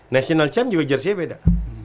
national champ juga jerseynya beda